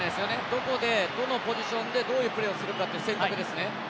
どこでどのポジションでどういうプレーをするかという選択ですね。